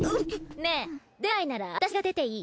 ねぇ出ないなら私が出ていい？